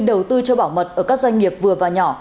đầu tư cho bảo mật ở các doanh nghiệp vừa và nhỏ